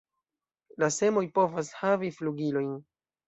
La semoj povas havi flugilojn.